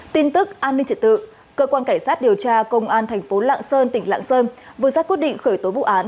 tin tức an ninh trị tự cơ quan cảnh sát điều tra công an tp lạng sơn tỉnh lạng sơn vừa ra quyết định khởi tố bụi án